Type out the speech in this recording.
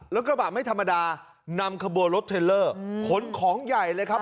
กระบะไม่ธรรมดานำขบวนรถเทลเลอร์ขนของใหญ่เลยครับ